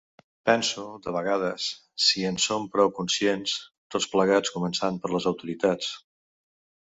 Penso, de vegades, si en som prou conscients, tots plegats, començant per les autoritats.